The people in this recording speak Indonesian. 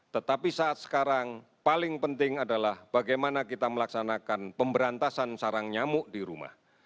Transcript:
tetapi saat sekarang paling penting adalah bagaimana kita melaksanakan pemberantasan sarang nyamuk di rumah